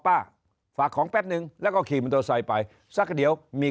ป้าฝากของแป๊บนึงแล้วก็ขี่มันตัวใส่ไปสักเดี๋ยวมี